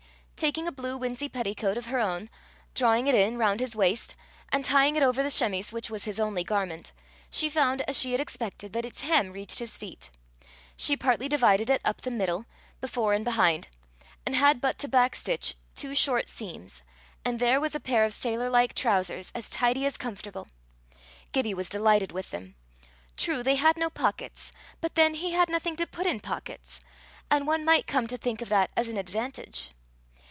Taking a blue winsey petticoat of her own, drawing it in round his waist, and tying it over the chemise which was his only garment, she found, as she had expected, that its hem reached his feet: she partly divided it up the middle, before and behind, and had but to backstitch two short seams, and there was a pair of sailor like trousers, as tidy as comfortable! Gibbie was delighted with them. True, they had no pockets, but then he had nothing to put in pockets, and one might come to think of that as an advantage.